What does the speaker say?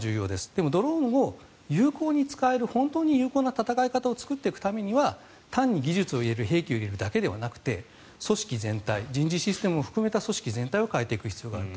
でもドローンを有効に使える本当に有効な戦い方を作っていくためには単に技術を入れる兵器を入れるだけじゃなくて組織全体、人事システムを含めた組織全体を変えていく必要がある。